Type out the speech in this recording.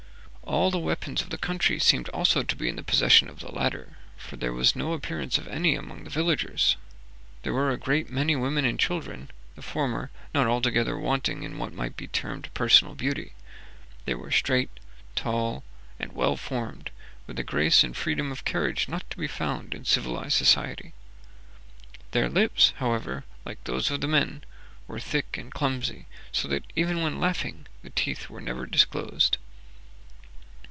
All the weapons of the country seemed also to be in the possession of the latter, for there was no appearance of any among the villagers. There were a great many women and children, the former not altogether wanting in what might be termed personal beauty. They were straight, tall, and well formed, with a grace and freedom of carriage not to be found in civilized society. Their lips, however, like those of the men, were thick and clumsy, so that, even when laughing, the teeth were never disclosed.